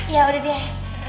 iya udah deh